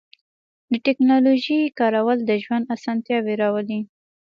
د تکنالوژۍ کارول د ژوند آسانتیاوې راولي.